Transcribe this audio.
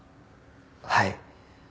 はい。